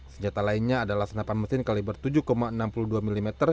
senjata lainnya adalah senapan mesin kaliber tujuh enam puluh dua mm